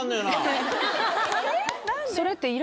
それって。